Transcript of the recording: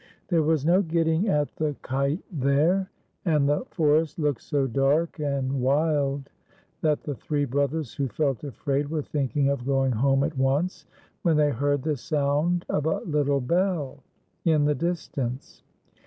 There was no getting at the kite there, and the forest looked so dark and wild that the three brothers, who felt afraid, were thinking of going home at once, when they heard the sound of a little bell in the dis tance.